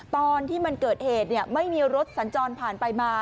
ตอนที่มันเกิดเหตุไม่มีรถสัญจรผ่านไปมา